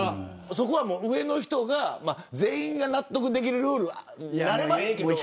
そこは上の人が全員が納得できるルールになればいいけど。